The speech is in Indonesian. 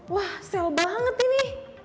wah sale banget ini